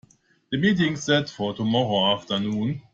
The meeting's set for tomorrow afternoon.